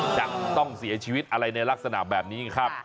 จะต้องเสียชีวิตอะไรในลักษณะแบบนี้ครับ